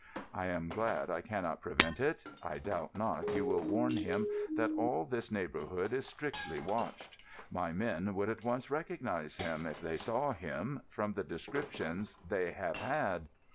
I am glad I cannot prevent it. I doubt not you will warn him that all this neighbourhood is strictly watched. My men would at once recognise him, if they saw him, from the descriptions they have had."